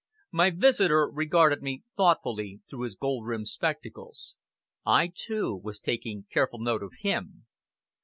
My visitor regarded me thoughtfully through his gold rimmed spectacles. I, too, was taking careful note of him.